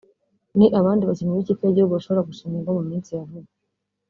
ni abandi bakinnyi b’ikipe y’igihugu bashobora gushinga ingo mu minsi ya vuba